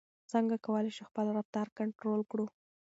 څنګه کولای شو خپل رفتار کنټرول کړو؟